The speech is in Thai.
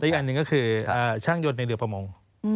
อีกอันหนึ่งก็คือช่างยนต์ในเรือประมง